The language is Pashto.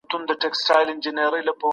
ولي سفیر په نړیواله کچه ارزښت لري؟